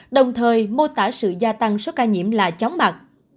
đồng thời mô tả sự gia tăng số ca nhiễm là chóng mặt